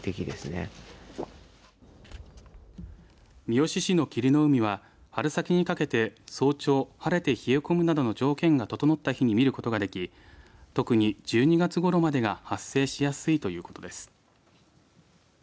三次市の霧の海は春先にかけて、早朝晴れて冷え込むなどの条件が整った日に見ることができ特に１２月ごろまでが発生しやすいということです。